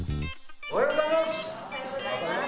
おはようございます！